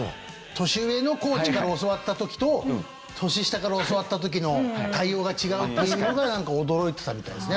年上のコーチから教わった時と年下から教わった時の対応が違うっていうのがなんか驚いてたみたいですね